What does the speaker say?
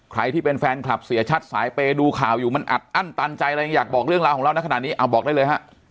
ใครที่เป็นแฟนคลับเสียชัดสายเปย์ดูข่าวอยู่มันอัดอั้นตันใจอะไรยังอยากบอกเรื่องราวของเรานะขนาดนี้เอาบอกได้เลยฮะ